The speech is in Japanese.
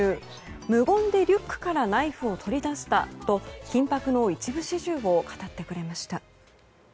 無言でリュックからナイフを取り出したと緊迫の一部始終を語ってくれました。